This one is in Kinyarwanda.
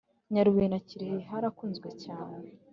Nyarubuye na Kirehe harakunzwe cyane.